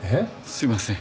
すいません。